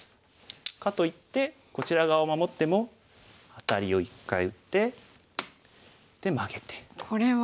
かといってこちら側を守ってもアタリを一回打ってでマゲて。